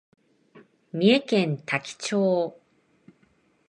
三重県多気町